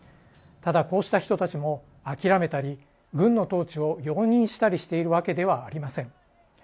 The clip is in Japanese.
ただ、こうした人たちも諦めたり軍の統治を容認したりしているわけではありません。